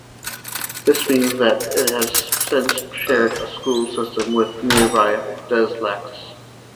This means that it has since shared a school system with nearby Des Lacs.